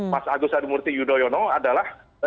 mas agus harimurti yudhoyono adalah